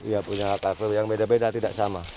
ya punya karakter yang beda beda tidak sama